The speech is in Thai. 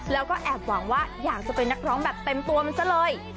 แล้วก็แอบหวังว่าอยากจะเป็นนักร้องแบบเต็มตัวมันซะเลย